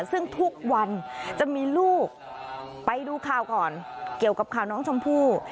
ซึ่งทุกวันจะมีลูกไปดูข่าวก่อนเกี่ยวกับข่าวน้องชมพู่